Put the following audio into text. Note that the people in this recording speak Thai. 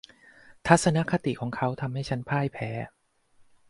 ทัศนคติของเขาทำให้ฉันพ่ายแพ้